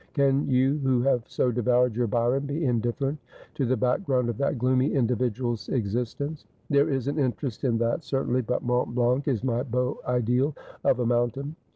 Can you, who have so devoured your Bjron, be indifferent to the background of that gloomy individual's existence ?'• There is an interest in that, certainly ; but Mont Blanc is my beau ideal of a mountain.'